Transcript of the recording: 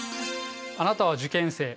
あなたは受験生。